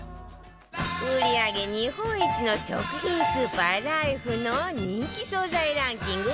売り上げ日本一の食品スーパーライフの人気惣菜ランキング